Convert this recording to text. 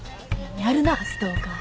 やるなストーカー。